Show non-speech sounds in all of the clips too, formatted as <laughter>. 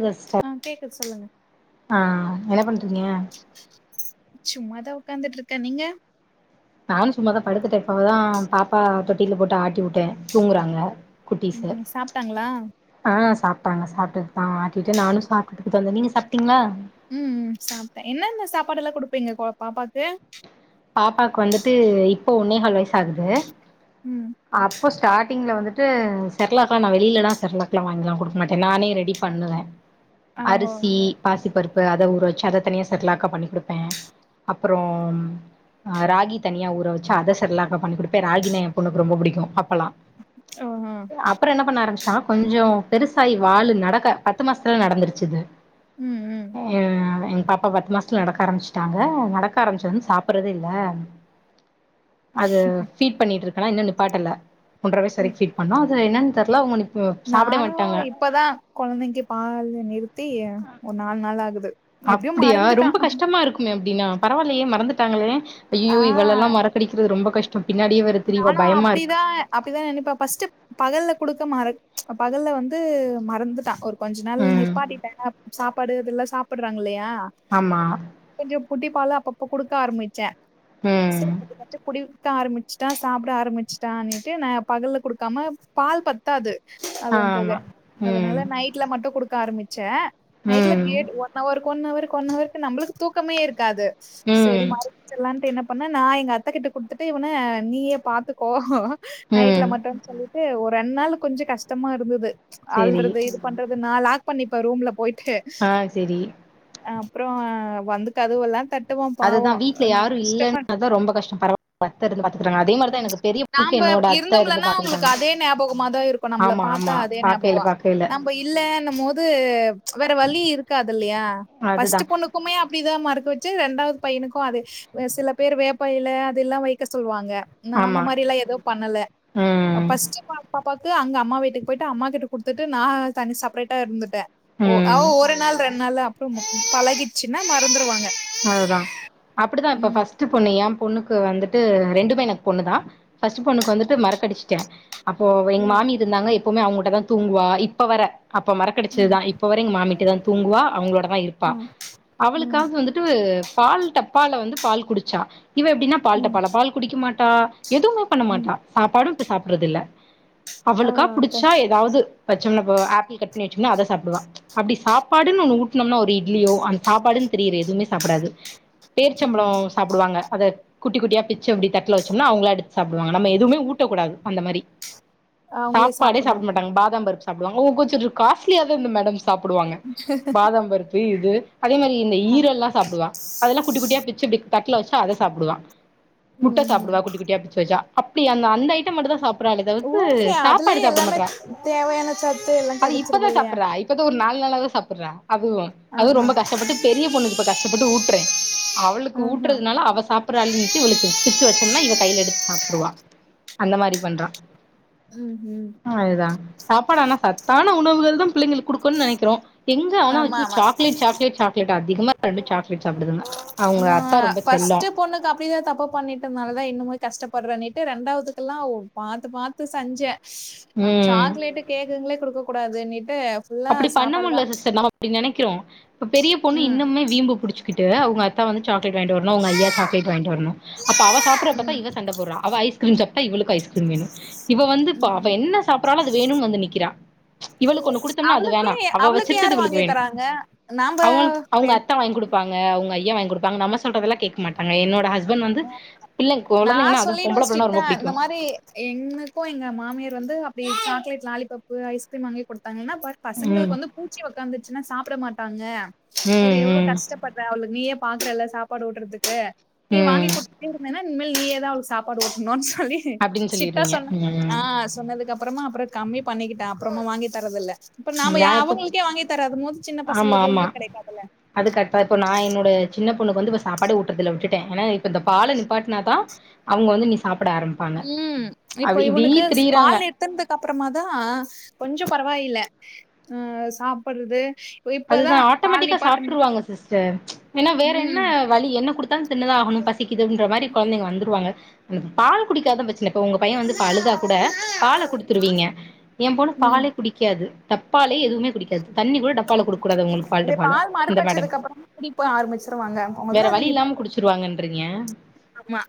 ங்க சிஸ்டர் ஆ கேக்குது சொல்லுங்க ஆ என்ன பண் றீங்க உக்காந்துட்ருக்க நீங்க நானு சும்மாதா படுத்துட்ட பாப்பா தொட்டில போட்டு ஆட்டி உட்ட தூங்குறாங்க குட்டிசு ம் சாப்ட்டாங்களா ஆ சாப் சாப்டாங்க சாப்புட்டுதா ஆட்டிட்டு நானும் சாப்டுட்டுக்கு வந்த நீங்க சாப்டீங்களா ம் ம் சாப்ட என்னென்ன சாப்பாடெல்லா குடுப்பீங்க கொ பாப்பாக்கு பாப்பாக்கு வந்துட்டு இப்போ ஒன்னே கால் வயிசு ஆகுது ம் அப் அப்போ ஸ்டாடிங்கல வந்துட்டு செரலாக்கலா நா வெளிலதா செரலாக்கலா வாங்கிக்கலா குடுக்க மாட்ட நானே ரெடி பண்ணுவ ஆ ஓ அரிசி பாசிப்பருப் ப்பு அத ஊற வெச்சு அத தனியா செர்லாக்கா பண்ணி குடுப்பே அப்புறோம் ஆ ராகி தனியா ஊற வெச்ச அத செர்லாக்கா பண்ணி குடுப்பே ராகினா எம் பொண்ணுக்கு ரொம்ப புடிக்கு அப் ப்பல்லா ஓ ஆ அப்புறோ என்ன பண்ண ஆரம்பிச் ச்சா கொஞ்சோ பெருசாயி வாளு நடக்க பத்து மாசத்துல நடந்துருச்சு இது ம் ம் ஏ எங்க பாப்பா பத்து மாசத்துல நடக்க ஆரம்பிச்சுட்டாங்க நடக்க ஆம்பிச்சுதுல இருந்து சாப் சாப்புறதே இல்ல அது ஃபீட் பண்ணிட்ருக் கலா இன்னு நிப்பாட்டல ஒன்ற வயசு ம் வரைக்கு ஃபீட் பண்ணோ அது என்னன்னு தெர்ல அவங்க நிப் சாப்டவே நானு மாட்டாங்க இப்பதா கொழந்தைக்கு பாலு நிறுத்தி ஒரு நாலு நாள் ஆகுது எப்டியு அப்டியா மறந்துட்டா ரொம்ப கஷ்டமா இருக்கும் மே அப்டின்னா பரவால்லையே மறந்துட்டாங்களே ஐயையோ ஆ இவளெல்லா மறக்கடிக்கிறது ரொம்ப கஷ்டம் நானு அப்டிதா அப்டிதா நெனைப்ப ஃபஸ்ட்டு பகல்ல கூ குடுக்க மற பகல்ல வந்து மறந்துட்டா ஒரு கொஞ்ச நாள் ம் நிப்பாட்டிட்ட சாப்பாடு இதெல்லா சாப்புறாங்க இல்லையா ஆ ஆமா கொஞ்சோ புட்டி பாலு அப் அப்போ குடுக்க ஆரம்மிச்ச <inaudible> ம் க்க ஆரம்மிச்சுட்டா சாப்புட ஆரம்மிச்சுட்டான்ட்டு நா பகல்ல குடுக்காம பால் பத்தாது அதும் ஆமா போக ம் அதனால நைட்ல மட்டு குடுக் க்க ஆரமிச்ச நைட்ல ம் கேட் ஒன் அவரு ஒன்னவருக்கு ஒன்னவருக்கு நம்பளுக்கு தூக்கமே இருக்காது சேரி ம் மாறிச்சல்லான்ட்டு என்னப் பண்ண நா எங்க அத்த கிட்ட குடுத்துட் ட்டு இவன நீயே பாத்துக்கோ நைட்ல ம் மட்டும் சொல்லி ட்டு ஒரு ரெண் நாளு கொஞ்சோ கஷ்டமா இருந்தது சேரி அல்றது இது பண்றத் இது நா லாக் பண்ணிப்ப ரூம்ல போயி ஆ சேரி அப்புறோ வந்து கதவெல்லா தட் அதுதா வீட்ல யாரு இல்லன்னாதா ரொம்ப கஷ்டம் பரவா <inaudible> நாம்ப இருந்து இருந்தோம்லன்னா அவுங்களுக்கு பாத்துக்கிட்டாங்க அதே ஞாபகமாதா இருக்கும் நம்மள ஆமா பாத்தா ஆமா அதே பாக்கைல ஞாபகோ பாக்கைல நம்ம இல்லேன்னும் போது து வேற வலி இருக்காத் து இல்லியா அதுதா ஃபஸ்ட்டு பொண்ணுக்குமே அப் அப்டிதா மறக்க வெச்ச ரெண்டாவது பையனுக்கு அது அ சில பேரு வேப்ப எல அதெல்லா வைக்க சொல்வாங்க நா அந்த ஆமா மாரி எல்லா எது பண்ணல ம் ஃபஸ்ட்டு பாப்பா ப்பாக்கு அங்க அம்மா வீட்டுக்கு போயிட்டு அம்மா கிட்ட குடுத்துட்டு நா தனி சப்ரேட்டா இருந்துட்ட ஓ அவ ம் ஒரு நாள் ரெண் நாள்ல அப்புறோ பழகிச்சுன்னா மறந்துருவாங்க அதுதா அப்டிதா இப்ப ம் ஃபஸ்ட்டு பொண்ணு எம் பொண்ணுக்கு வந்துட்டு ரெண்டுமே எனக் பொண்ணு தா ஃபஸ்ட்டு பொண்ணுக்கு வந்துட்டு மறக்கடிச்சுட்ட அப்போ அவ எங்க ம் மாமி இருந்தாங்க எப்போமே அவங்கிட்டதா தூங்குவா இப்ப வர அப்ப ம் மறக்கடிச்சதுதா இப்ப வர எங்க மாமியிட்டதா தூங்குவா அவங்களோடதா இருப்பா ம் ம் அவளுக்காவது வந்து ட்டு பால் டப்பால வந்து பால் குடுச்சா இவ எப்டின்னா பால் ம் டப்பால பால் குடிக்க மாட்டா எதுமே பண்ண ம் மாட்டா சாப்பாடு இப்ப சாப்புடுற இல்ல ஆ அவளுக்கா அத்த புடுச்சா எதாவது வெச்சோம்னா இப்போ ஏப்பிள் கட் பண்ணி வெச்சோம்னா அத சாப்புடுவா அப்டி சாப் சாப்பாடுன் ஒன்னு ஊட்னமுனா இட்லியோ அந்த சாப்பாடுன் தெரியிது சாப்புடாது பேர்ச்சம்பழோ ம் சாப்புடுவாங்க அத குட்டி குட்டியா பிச் பிச்சு அப்டியே தட்ல வெச்சோம்னா அவுங்களா எடுத் சாப்டுவாங்க நம்ம எதுமே ஊட்டக் கூடாது அந்த மாரி அவங்களே சாப்பாடே சாப்புட்ணு சாப்புட மாட்டாங்க பாதாம் பருப்புஸ் சாப்டுவாங்க கொஞ்சோ ஒரு காஸ்லியாதா இந்த மேடம்ஸ் சாப்புடுவாங்க பாதம் பருப்பு இத் ப்பு அதே மாரி இந்த ம் ஈரெல்லாஸ் சாப்டுவா அதெல்லா குட்டி குட்டியா பிச்சு இப்டி த ட்ல வச்சு அத சாப்புடுவா முட்ட ம் சாப்புடுவா குட்டி குட்டியா பிச்சு வச்சா அப் டி அந்த ஐட்டம் மட்டுந்தா சாப் படறாளே தவிர்த்து ஓகே அதுலயே சாப்பாடு சாப்ட எல்லாமே மாட்றா தேவையான சத்து எல்லா அது இப்பதா கெடச்சிருது இல்லையா சாப்படறா இப்பதா ஒரு நா லஞ்சு நாளாதா சாப்பட்றா அதுவு அதுவு ஆஹா ரொம்ப கஷ்டப்பட்டு பெரிய பொண்ணுக்கு இப்ப கஷ் ந்து ஊட்றே அவளுக்கு ஆஹா ஊட்றதுனால அவ சாப்பட்றாளேன்ட்டு இவளுக்கு பிச்சு வ ச்சோம்னா இவ கைல எடுத்து சாப்ட்ருவா அந்த மாரி பண்றா ம் ம் ஆ அதுதா சாப்பாடு ஆனா சத்தான உணவுகள்தா பிள்ளைங்களுக் குடுக்கணுன் நெனைக்கிறோ எங்க ஆனா ஆமா ஐயோ ஆமா சாக்லேட் சாக்லேட் சாக்லேட் அதிகமா ரெண்டு சாக்லேட் சாப்பிடுதுங்க ஆ அவங்க நா அத்தா ரொம்ப செல்லம் ஃபஸ்ட்டு பொண்ணுக்கு அப்பிடிதா தப்பு பண்ணிட்டதுனாலதா இன்னுமே கஷ்டப்பட்றே ன்னேட்டு ரெண்டாவதுக்கெல்லா பாத்து பாத்து செஞ்சே அவங்க ம் சாக்லேட்டு் கேக்குங்களே குடுக்கக்கூடாது இனி அப்பிடி பண்ண முடில சிஸ்டர் நம்ம அப்டி நெனை க்கிறோ இப்ப பெரிய பொண்ணு ம் இன்னமுமே வீம்பு புடிச்சு க்கிட்டு அவங்க அத்தா வந்து சா க்லேட் வாங்கிட்டு வரணு அவங்க ஐயா சாக்லேட் வாங்கிட்டு வரணு அப்ப அவ சாப்பட்றதா பாத்தா ம் இவ சண்ட போட்றா அவ ஐஸ்க்ரீம் சாப்ட்டா இவளுக்கு ஐஸ்க்ரீம் வேணு இவ வந்து ம் இப்ப அவ என்ன சாப்பர்றாலோ அது வேணும்னு வந்து நிக்கிறா இவளுக்கு ஒன்னு குடுத் அவளுக்கே அவளுக்கு யார் வாங்கி தராங்க நாம்ப பே ப்பாங்க அவங்க ஐயா வாங்கி குடுப்பாங்க நம்ம சொல்றதல்லா கேக்க மாட்டாங்க என்னோட ஹஸ் நா சொல்லிடுவே பொம்பள புள்ளனா ஸ்ட்ரிட்டா ரொம்ப புடிக்கு இந்த மாரி இன்னைக்கு எங்க மாமியார் வந்து அ ப்டி சாக்லேட் லாலிபப்பு ஐஸ்கிரீம் வாங்கி குடு த்தாங்கன்னா பார் ம் பசங்களுக்கு வந்து பூச்சி ஒக்காந்துச்சுனா சாப்ட மாட் டாங்க இது ம் எவ்ளோ ம் கஷ்டப்பட்ற அவுளு நீயே பாக்கற இல்ல சாப்பாடு ஊட்றதுக்கு நீ வாங்கி ம் குடுத்துட்டே இருந்தேன்னா ம் உண்மல் நீயேதா அவளுக்கு சாப்பாடு ஊட்டணுன்ஸ் சொல்லி அப்டின்னு சிட்டா சொல்லிருவீங்க சொன்னா ஆ ம் சொன்னதுக்கு அப் அப்புறமா அப்புறோ பண்ணிக்கிட்ட அப்புறமா வாங்கி தரதில்ல இப்ப நாம நா யா இப்ப அவங்களுக்கே வாங்கி தரதும் போது சின்ன ஆமா பசங்களுக்கு ஆமா இவங்களுக்கு கெடைக்காதுல்ல அது கரெக்டா இப்போ நா என்னோட சின்ன பொண்ணுக்கு வந்து ஃபஸ்ட் சாப்பாடே ஊட்றதில்ல விட்டுட்ட இப்ப இந்த பால நிப்பாட்னாதா அவங்க வந்து நீ சாப் ம் இப்ப இவனுக்குஸ் திரியிறாங்க பால் நிருத்துனதுக்கு அப்புறமாதா கொஞ் கொஞ்சோ பரவாயில்ல ஆ சாப்புடுறது அதுதா ஆட்டோமேட்டிக்கா சாப்புட்டுருவாங்க சிஸ் சேர் என்ன வேற என்ன ம் வழி என்ன குடுத்தாலு தின்னுதா ஆகணும் பசிக்குதுன்ற மாரி கொழந்தைங்க வந்துருவாங்க பால் குடிக்காதா வெச்சுனு இப்ப உங்க பைய வந்து அழுதா கூட பால குடுத்துருவீங்க எம் பொண்ணு ம் பாலே குடிக்காது டப்பாலையே எதுமே குடிக்காது தண்ணிக்கூட டப் பால குடுக்கூடாது உங்களுக்கு பால் அதே டப்பால இந்த மேடம் மறுக்கடிச்சதுக்கு அப்புறமா குடிப்ப ஆரம்பிச்சிருவாங்க வேற வழி இல்லாம குடுச்சுருவாங்கன்று ஏ ஆமா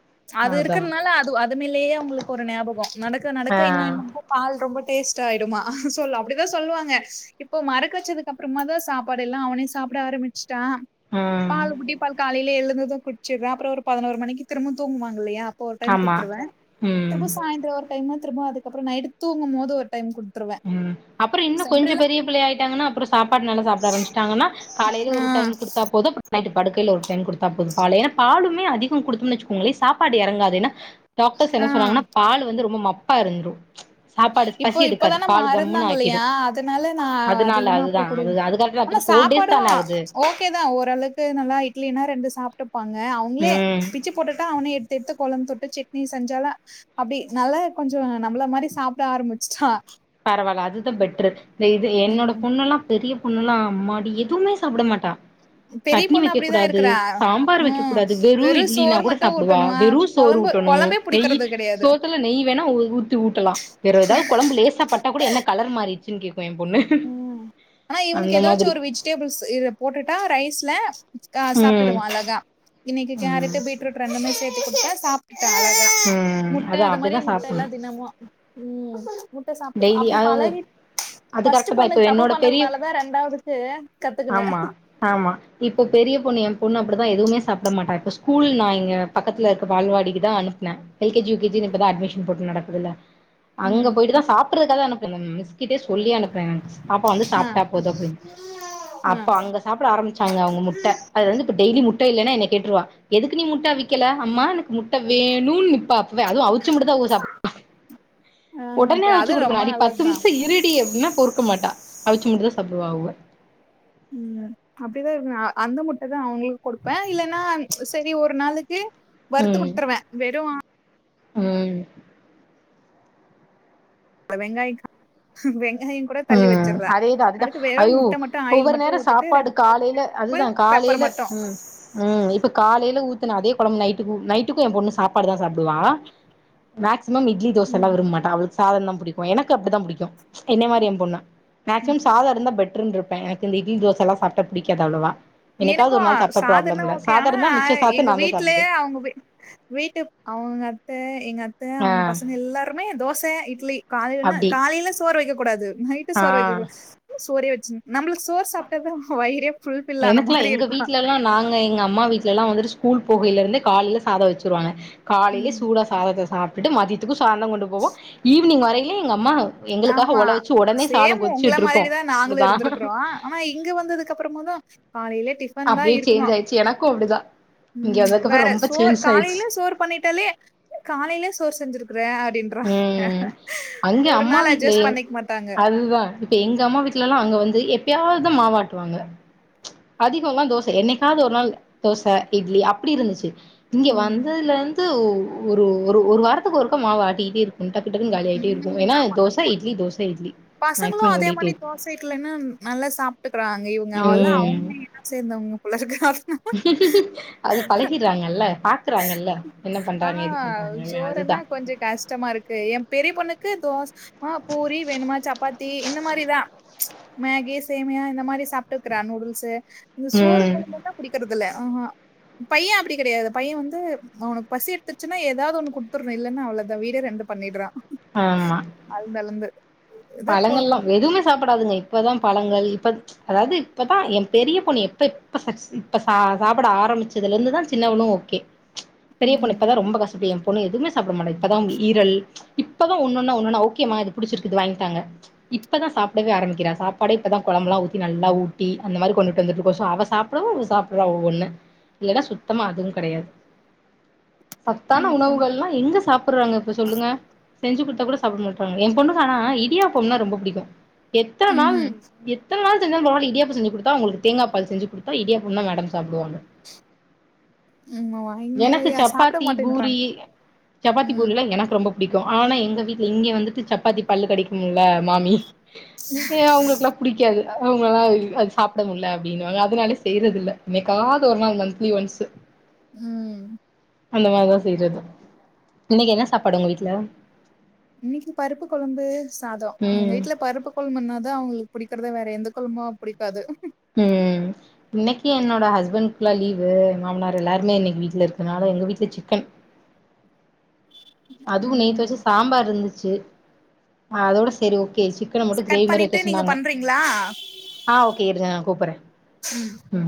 அது இருக்குறனால அது அதுமலேயே அவங்களுக்கு ஒரு ஞாபகோ நடக்க ஆ நடக்க இன்னு என்னமோ பால் ரொம்ப டேஸ்ட் ஆயிடுமா சொல்ல அப்டிதா சொல்லுவாங்க இப்போ மறக்க வெச்சதுக்கு அப்புறமா தா சாப்பாடு எல்லா அவனே சாப்புட ஆரம்மிச் ட்டா ம் பால் புட்டி பால் காலைலயே எழு இதுதா குடுச்சுர்றா அப்புறோ ஒரு பதுனொரு மணிக்கு திரும்பவு தூங்குவா இல்லையா அப்போ ஒரு டைம் ஆமா குடுத்துருவ ம் திரும்ப சாயிந்துரோ ஒரு டைம்மா திரும்போ அதுக்கப்புறோ நைட்டு தூங்கும் மோது ஒரு டைம் குடு ம் அப்புறோ இன்னு கொஞ்சோ பெரிய பிள்ளை ஆயிட்டாங்கன்னா அப்புறோ சாப்பாடு நல்லாப்புட நல்லா ஆரம்பச்சுட்டாங்கன்னா காலைல ஆ ஒரு டைம் குடுத்தா போது நைட்டு படுக்கையில ஒரு டைம் குடுத்தா போது பாலு ஏன்னா பாலுமே அதிகோ குடுத்தம்னு வெச்சக்கோங்களே சாப்பாடு எறங்காதுன்னா டாக்டர்ஸ் ஆ என்ன சொன்னாங்கன்னா பாலு வந்து ரொம்ப மப் ப்பா இருந்துரு சாப்பாடு பசி இப்போ எடுக்காது இப்பதான பால் கம்முன்னு மறந்தாங்க ஆக்கிரு இல்லையா அதனால நா அதனால அதிகமா போ அதுதா குடு அது அதுக்காக ஆனா அப்ப ஃபோர் சாப்பாடு டேஸ் தான ஆகுது ஓகே தா ஓரளவுக்கு நல்லா இட்லினா ரெண்டு சாப்புட்டுப்பாங் அ அவங்களே ம் பிச்சு போட்டுட்டா அவன எடுத் தெத்து கொழம் தொட்டு சட்னி செஞ்சாலு அப்டி நல்லா கொஞ்சோ நம்மள மாரி சாப் ப்ட ஆரம்மிச்சுட்டா பரவால்ல அதுதா பெட்ரு இந்த இது என்னோட ம் பொண்ணு எல்லா பெரிய ஒண்ணுல்லா அம்மாடி எதுமே சாப்புட மாட்டா பெரிய சட்னி பொண்ணு வெக்க அப்டிதா கூடாது இருக்குறா சாம்பார் வெக்க ம் கூடாது வெறு இட்லினா சோறு கூட மட்டு சாப்புடுவா ஊட்டணுவா வெறு சோறு கொழம்பு ஊட்டணு கொழம்பே நெய்யு புடிக்கறது கெடையாது சோத்துல நெய் வேணா ஊத்தி ஊட்டலா வேற எதாவது கொழம்பு லேசாப் போட்ட கூட என்ன கலர் மாறிட் ச்சுன் கேப் ம் ஆனா இவனுக்கு எதாச்சு மாதிரி ஒரு வெஜிடேபுள்ஸ் போட்டுட்டா ரைஸ்ல ஆ ம் சாப்டுடுவா அழகா இன்னைக்கு ம் கேரட்டு பீட்ரூட் ரெண்டுமே சேத் பண்ணி குடுத்தா சாப் ம் முட்ட அதா அது மாரி அப்டிதா முட்ட எல்லா சாப்புட்ணு தினமு ம் முட்ட சாப்டுப்பா அப்டியே பழகி இது ஃபர்ஸ்ட் கரெக்ட்டுதா இப்ப பொண்ணுக்கு தப்பு என்னோட பெரிய பண்ணதுனாலதா ரெண்டாவதுக்கு கத்துக்குன ஆமா ஆமா இப்ப பெரிய பொண்ணு எம் பொண்ணு அப்டிதா எதுமே சாப்புட மாட்டா இப்ப ஸ்கூல் நா இங்க பக்கத்துல இருக்க பால்வாடிக்கு தா அனுப்புன எல் கேஜி யு கே ஜினு இப்பதா அட்மிஷன் போட்டு நடக் அதுலா அங்க ம் போயிட்டு தாஸ் ப்டுறதுக்கா அனுப்புனோம் மிஸ் மிஸ் கிட்டியே சொல்லி அனுப்புவ பாப்பா வந்து ஆ சாப்புட்டா போது அப்டின் ஆ அப்ப அங்க சாப்புட ஆரம்பிச்சாங்க அவங்க முட்ட அதுல இருந்து இப்ப டெய்லி முட் முட்ட இல்லனா என்னய கேட்ருவா எதுக்கு நீ முட்ட அவிக்கல அம்மா எனக்கு முட் முட்ட வேணுன் நிப்பா அப்பவே அது அவுச்ச முட்டதா <inaudible> ஆஹா ஒடனே வுச்சு அது குடுக்கணு ரொம்ப அடி பத்து நல்லதுதா நிம்ஷோ இருடி அப்டின்னா பொறுக்க மாட்டா அவிச்ச முட்டதா சாப்புடுவா அவ ம் அப்டிதா இருக்கனு அ அந்த முட்டதா அவங்களுக்கு கொடுப்ப இல்லன்னா சேரி ஒரு நாளைக் த்து வறுத்து ம் குடுத்துருவ வெறு ம் வெங்காய் வெங் ம் அதேதா அதுதா அயோ முட்ட மட்டு ஆயில் ஒவ்வொரு மட்டு நேரம் ஊத்திட்டு சாப்பாடு ரெண்டு காலையில உப்பு அதுதா பெப்பர் காலையில மட்டு ம் ம் இப்ப காலையில ஊ த்தன அதே கொழம்பு நைட்டு நைட்டுக்கு எ பொண்ணு சாப்பாடு தா சாப்பிடுவா மேக்ஸி ம்மம் இட்லி தோசலா ம் விரும்ப மாட்டாள் அவளுக் சாத தா புடிக்கு எனக்கு அப்டிதா புடிக்கு என்னை மாரி பொண்ணு மேக்சிம சாத இருந்தா பெட் ட்ருருப்பன் எனக்கு இட்லி தோச எல்லா சாப்ப்டா புடிக்காது அவ்வளவா எனக்கு சாதோன ஓகே ஆனா இருந்தா மிச்ச சாதத்த எங்க நா தா சாப்டுவே வீட்லயே அவுங்க வீ வீட்டு அவுங்க அத்த எங்க அத் த்த ஆ அவுங்க பசங்க எல்லாருமே தோச இட்லி காலைலன்ன அப்டி காலையில சோறு வக்க கூடாது நைட்டு ஆ சோறு வக்க கூடாது உஸ் சோறே வச்சின் நம்மளுக்கு சோர் சாப்பிட்டத வயிறே ஃபுல் எனக்குலா எங்க வீட்டுலா நாங்க எங்க அம்மா வீட் வீட்டுலலா வந்துட்டு ஸ்கூல் போகையில இருந்து காலையில சாத வச்சுருவாங்க காலையிலே ம் சூடா சாதத்த சாப் விட்டுட்டு மதியத்துக்கு ஸ் சாத கொண்டு போவோ ஈவினிங் வரை இல்லைங் அம்மா எங்களுக்காக ஆமா ஒல வச்சு ஒடனே சாதம் சேம் உங்கள கொதிச்சுட்டு இருக்கு மாதிரிதா நாங்களு அப்டிதா இருந்திருக்கிறோ ஆனா இங்க வந்ததுக்கு அப்பறமாதா காலையிலே டிஃபன் தா அப்டியே இருக்கணு சேஞ்ச் ஆயிடுச்சு எனக்கு அப்டிதா இங்க ம் வந்ததுக்கப்புறோ வேற ரொம்ப சோர் சேஞ்ச் ஆயிடுச்சு காலையில சோர் பண்ணிட்டாலே காலையில சோர் செஞ்சிருக்கறே அப்டின் ஒரு நாள் ஏ அட்ஜஸ்ட் பண்ணிக்க மாட்டாங்க அதுதா இப்ப எங்க அம்மா வீட்டுலல்லா அங்க வந்து எப் எப்பயாது மாவாட்டுவாங்க அதிகல்லா தோச என்னைக்காது ஒரு நாள் தோச இட்லி அப்டி இருந்துச்சு இங்க ம் வந்ததுல இந்து ஓ ஒரு ஒரு வாரத்துக்கு ஒருக்க மாவாட்டி இப்டி இருக்கொண்டக் கிட்ட இரு காலியாகிட்ட இருக்கு ம் ஏன்னா தோச இட்லி தோச இட்லி பசங்களு மேக்சிமம் அதே ஓடிட்டே மாரி இருக்கு தோசைக்குலைன்னா நல்லா சாப்பிட்டுக்கறாங்க இவங்க அவல்லா அவங்க ம் என்ன சேர்ந்தவங்க பிள்ள இருக்கு அதனால அது பழகிறாங்கல்ல பா ஆ சோறனா அதுதா கொஞ்ச கஷ்டமா இருக்கு எ பெரிய பொண்ணுக்கு இது தோஸ் ஆ பூரி வேணுமா சப்பாத் தி இந்த மாரிதா மேகி சேமியா இந்த மாரிஸ் சாப்டுக்குறா நூடுல்ஸ்சு இந்த சோறு ம் குழம்ப தா புடிக்கறது இல்ல ஆஹா பையே அப்படி கடையாது பையே வந்து அவனுக்கு பசி எடுத்துச்சுன்னா ஏதாவது ஒன்னு குடுத்துர்ரே இல்லனா அவளதா வீடே ரெண்டு பண்ணிட்றா அலந்தலந்து பழங்கள் லா எதுமே சாப்பிடாதுங்க இப்பதா பழங்கள் இப்ப அதாவது இப்பதா எ பெரிய பொன்னு எப்ப இப்ப இப்ப சா சாப்பிட ஆரம்பிச்சதுல இருந்துதா சின்னவளு ஓகே பெரிய ம் பொண்ணிப்பதா ரொம்ப கசுப்பியம் பொன்னு எதுவுே சாப்பிட மாட்டா இப்பதா ஈரல் இப்பதா ஒன்னொன்னா ஒன்னொன்னா ஓகேதுமா புடிச்சிருக்குதுங்க டாங்க இப்பதா சாப்பிடவே ஆரம்பிக்கிறா சாப்பாடே இப்பதா குழம்புலா ஊத்தி நல்லா ஊட்டி அந்த மாரி கொண்டுட்டு வந்துட்டு இருக்கோ சோ அவ சாப்பிடவு அவ சாப்பிட்றா ஒவ்வொண்ணு இல்லைனா சுத்தமா அதுவு கடையாது சத்தான ஓகே உணவுகள்லா எங்க சாப்பிடுறாங்க இப்ப சொல்லுங்க செஞ்சு குடுத்தா கூட சாப்பிட மாட்டறாங்க எ பொண்ணுக் ஆனா இ இடியாப்போம்னா ரொம்ப பிடிக்கு எத்தன நாள் ம்ஹும் எத்தன நாள் <unintelligible> மார்னிங்கே இடியாப்போ செஞ்சு குடுத்தா உங்களுக்கு தேங்காய பால் செஞ்சு குடுத்தா இடியாப்பம்னா மேடம் சாப்பிடுவாங்க ம் இங்க எனக்கு யா சாப்ட சப்பாத்தி பூரி மாட்டேன்றாங்க சப்பாத்தி ம் பூரில்லா எனக்கு ரொம்ப பிடிக்கு ஆனா எங்க வீட்டுல இங்கே வந்துட்டு சப்பாத்தி பல்லு கடிக்கு ல மாமி ஏ அவங்களுக்குல்லா புடிக்காது அவங்களளா அது சாப்பிட முடியல அப்படின்னுுவாங்க அதனால செய்யறதுல்ல என்னைக்காவது ஒரு நாள் மந்த்லி ஒன்ஸு உ அந்த மாரிதா செய்றது இன்னைக்கு என்ன சாப்பாடு உங்க வீட்ல இன்னைக்கு பருப்பு கொழம்பு சாதோ எங்க ம் வீட்டுல பருப்பு கொழம்புனாதா அவங்களுக்கு புடிக்கு இருக்கறத வேற எந்த கொழம்பு பிடிக்காது உ இன்னைக்கு என்னோட ஹஸ்பண்ட்கலா லீவு மாமனார் எல்லாருமே இன்னைக்கு வீட்டுல இருக்கனால எங்க வீட்டுல சிக்கன் அதுவு ம் நேத்து ம் வச்ச சாம்பார் இருந்துச் சே ஆ அதோட சரி ஓகே எ சிக்கன மட்டு கிரேவி கட் மாரி பண்ணிட்டு வக்க நீங்க சொன்னாங்க பண்றீங்களா ஆ ஓகே இரு நா கூப்பிறே உ